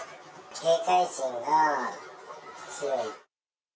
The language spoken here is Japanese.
警戒心が強い。